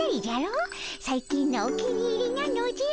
最近のお気に入りなのじゃ。